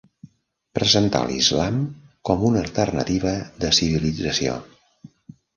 Presentar l'islam com una alternativa de civilització.